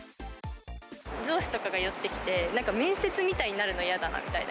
上司とかが寄ってきて、なんか面接みたいになるの嫌だなみたいな。